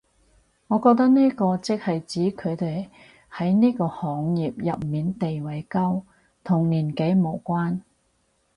我覺得呢個即係指佢哋喺呢個行業入面地位高，同年紀無關